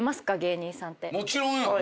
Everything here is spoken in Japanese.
もちろんやんな。